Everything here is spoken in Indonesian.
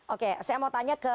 oke saya mau tanya ke